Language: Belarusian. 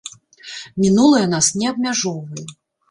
Мінулае нас не абмяжоўвае.